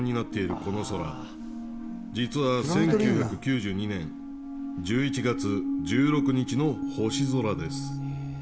この空、実は１９９２年１１月１６日の星空です。